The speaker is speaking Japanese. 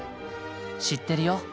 知ってるよ。